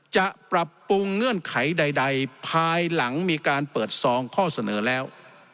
จะปรับปรุงเงื่อนไขใดภายหลังมีการเปิดซองข้อเสนอแล้ว